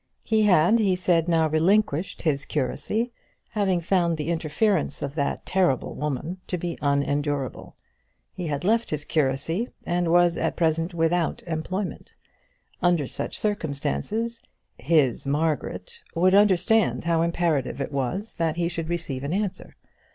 He had, he said, now relinquished his curacy, having found the interference of that terrible woman to be unendurable. He had left his curacy, and was at present without employment. Under such circumstances, "his Margaret" would understand how imperative it was that he should receive an answer.